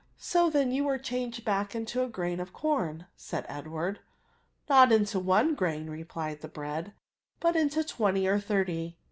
'*'' S09 then, 70U were changed back again into a grain of com," said £dward« Not into one grain, replied the bread, but into twenty or thirty.